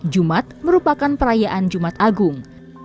jumat merupakan perayaan jumat agung